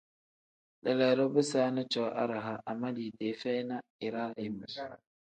Leleedo bisaani cooo araha ama liidee feyi na iraa imu.